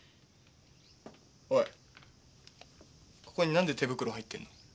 ここに何で手袋入ってるの？